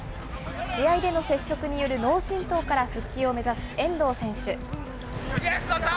試合での接触による脳震とうからの復帰を目指す遠藤選手。